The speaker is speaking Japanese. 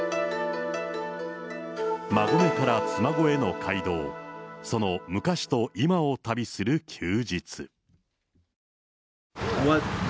馬籠から妻籠への街道、その昔と今を旅する休日。